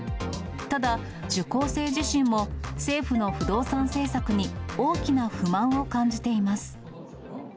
ただ、受講生自身も政府の不動産政策に大きな不満を感じています。